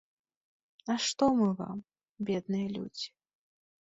Нашто мы вам, бедныя людзі?